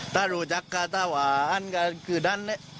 ถ้ารู้จักค่ะถ้าว่าก็คือดันนะ